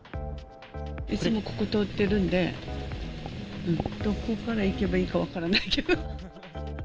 いつもここ通ってるんで、どこから行けばいいか分からないけど。